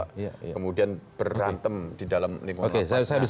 kemudian berantem di dalam lingkungan